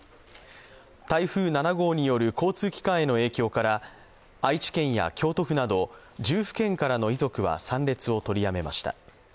台風７号による交通機関への影響から愛知県や京都府など、１０府県からの遺族は参列を取りやめました。